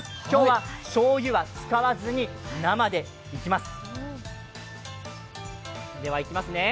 今日はしょうゆは使わずに生でいただきます。